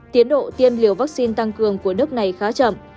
tiến độ tiêm liều vaccine tăng cường của nước này khá chậm